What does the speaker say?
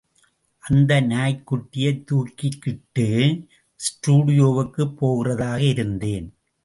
அந்த நாய்க்குட்டியைத் தூக்கிக்கிட்டு ஸ்டுடியோவுக்கு போகிறதாக இருந்தேன்.